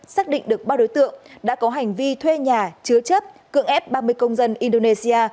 xác định được ba đối tượng đã có hành vi thuê nhà chứa chấp cưỡng ép ba mươi công dân indonesia